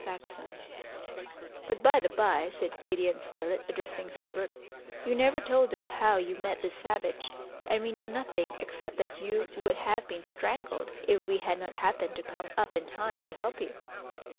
[Illustration: "POOR FELLOW," MURMURED THE ENGINEER] "But, by the bye," said Gideon Spilett, addressing Herbert, "you never told us how you met this savage, and we know nothing, except that you would have been strangled, if we had not happened to come up in time to help you!"